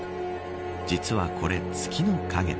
実はこれ月の影。